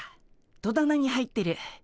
戸棚に入ってる。